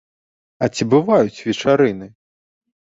А ці бываюць вечарыны?